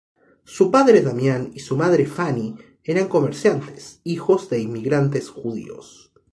Su padre Damián y su madre Fanny eran comerciantes, hijos de inmigrantes judíos.